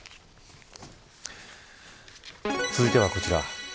続いてはこちら。